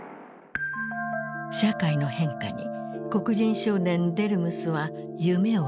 社会の変化に黒人少年デルムスは夢を抱いた。